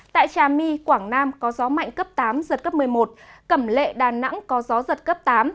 tại trà my quảng nam có gió mạnh cấp tám giật cấp một mươi một cẩm lệ đà nẵng có gió giật cấp tám